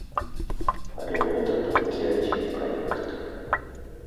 Але гэта толькі адзін праект.